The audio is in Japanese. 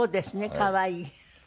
可愛い。